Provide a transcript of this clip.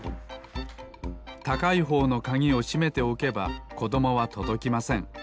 たかいほうのかぎをしめておけばこどもはとどきません。